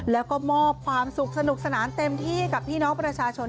แล้วก็มอบความสุขสนุกสนานเต็มที่กับพี่น้องประชาชน